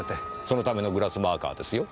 そのためのグラスマーカーですよ？